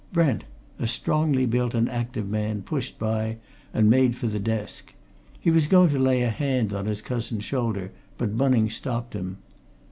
Brent, a strongly built and active man, pushed by, and made for the desk. He was going to lay a hand on his cousin's shoulder, but Bunning stopped him.